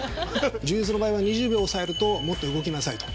柔術の場合は２０秒抑えるともっと動きなさいと。